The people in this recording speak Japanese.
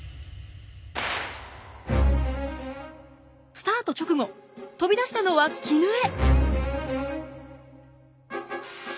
スタート直後飛び出したのは絹枝。